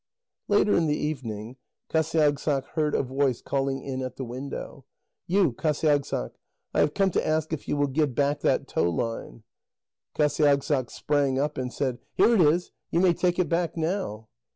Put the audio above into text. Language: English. Later in the evening, Qasiagssaq heard a voice calling in at the window: "You, Qasiagssaq, I have come to ask if you will give back that tow line." Qasiagssaq sprang up and said: "Here it is; you may take it back now."